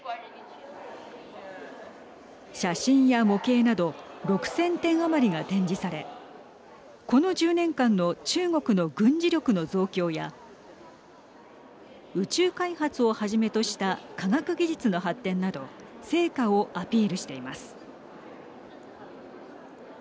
写真や模型など６０００点余りが展示されこの１０年間の中国の軍事力の増強や宇宙開発をはじめとした科学技術の発展など成果をアピールしています。